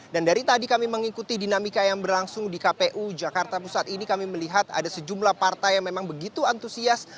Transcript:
dan dari tadi kami mengikuti dinamika yang berlangsung di kpu jakarta pusat ini kami melihat ada sejumlah partai yang memang begitu antusias